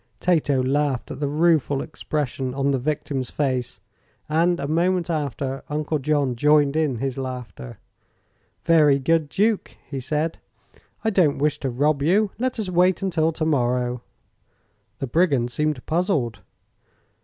Tato laughed at the rueful expression on the victim's face, and, a moment after, Uncle John joined in his laughter. "Very good, duke," he said. "I don't wish to rob you. Let us wait until to morrow." The brigand seemed puzzled.